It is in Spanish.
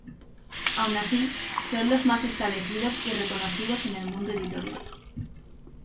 Aun así, son los más establecidos y reconocidos en el mundo editorial.